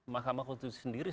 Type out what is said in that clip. mahkamah konstitusi sendiri